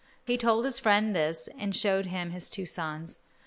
He told his friend of this and showed him his two sons.